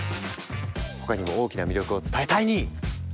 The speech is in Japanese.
他にも大きな魅力を伝えタイニー！